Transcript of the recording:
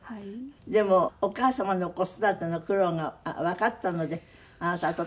でもお母様の子育ての苦労がわかったのであなたはとても尊敬している。